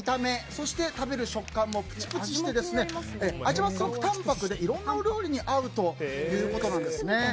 そして食べる食感もプチプチして味はすごく淡泊でいろんなお料理に合うということなんですね。